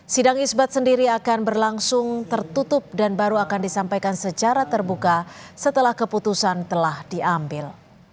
sidang isbat sendiri akan berlangsung tertutup dan baru akan disampaikan secara terbuka setelah keputusan telah diambil